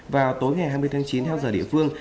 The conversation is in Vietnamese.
vào tối ngày hai mươi tháng chín theo giờ địa phương